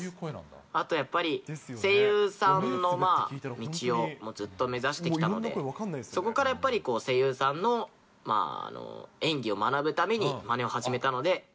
あとやっぱり、声優さんの道をずっと目指してきたので、そこからやっぱり声優さんの演技を学ぶためにまねを始めたので。